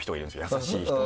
優しい人。